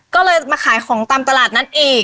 ก็เลยมาขายของตามตลาดนัดอีก